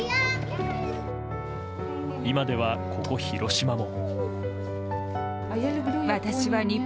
今では、ここ広島も。